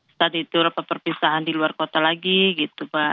saat itu rapat perpisahan di luar kota lagi gitu pak